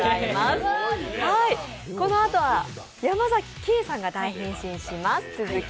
このあとは山崎ケイさんが大変身します。